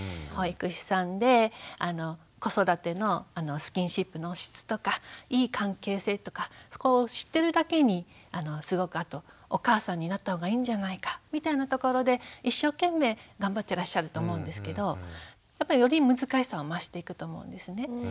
保育士さんで子育てのスキンシップの質とかいい関係性とかそこを知ってるだけにすごくあとお母さんになった方がいいんじゃないかみたいなところで一生懸命頑張ってらっしゃると思うんですけどやっぱりより難しさは増していくと思うんですね。